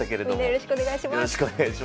よろしくお願いします。